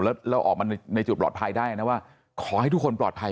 แล้วเราออกมาในจุดปลอดภัยได้นะว่าขอให้ทุกคนปลอดภัย